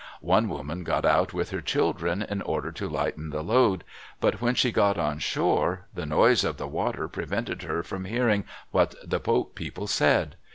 One woman got out with her children in order to lighten the load, but when she got on shore, the noise of the water prevented her from hearing what the boat people said.